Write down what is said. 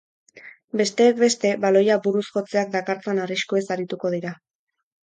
Besteak beste, baloia buruz jotzeak dakartzan arriskuez arituko dira.